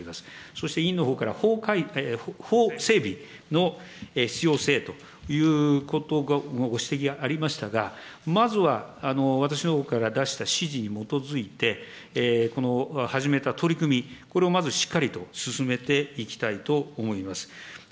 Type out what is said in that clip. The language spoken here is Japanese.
そして委員のほうから、法整備の必要性ということのご指摘がありましたが、まずは、私のほうから出した指示に基づいて、この始めた取り組み、これをまずしっかりと進めていきたいと思います。